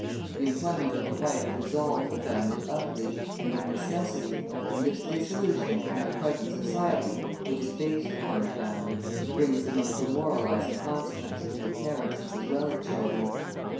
The employment of the wife dissolves the family utterly and of necessity, and this dissolution, in our present society, which is based upon the family, brings the most demoralising consequences for parents as well as children.